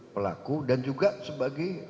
pelaku dan juga sebagai